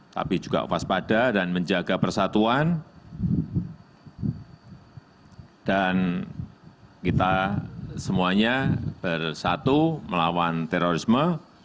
tapi juga waspada dan menjaga persatuan dan kita semuanya bersatu melawan terorisme